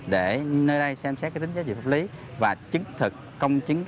để nơi đây xem xét tính giá trị pháp lý và chứng thực công chứng